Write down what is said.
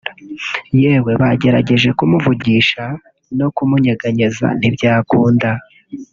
yewe banagerageje kumuvugisha no kumunyeganyeza ntibyakunda